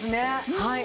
はい。